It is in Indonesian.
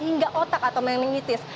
hingga otak atau meningitis